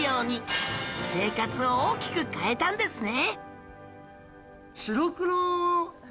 生活を大きく変えたんですね